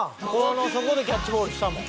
そこでキャッチボールしたもん。